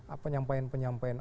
apa penyampaian penyampaian